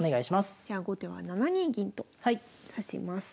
じゃあ後手は７二銀と指します。